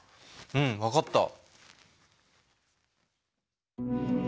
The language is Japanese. うん分かった。